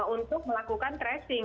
untuk melakukan tracing